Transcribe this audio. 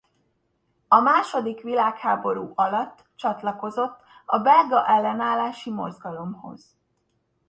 A második világháború alatt csatlakozott a belga ellenállási mozgalomhoz.